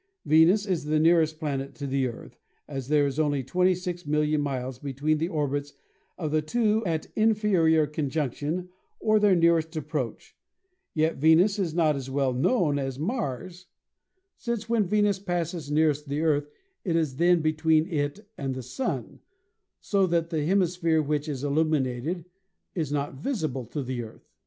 Venus is the nearest planet to the Earth, as there is only 26,000,000 miles between the orbits of the two at inferior conjunction or their nearest approach, yet Venus is not as well known as Mars, since when Venus passes nearest the Earth it is then between it and the Sun, so that the hemisphere which is illuminated is not visible to the Earth.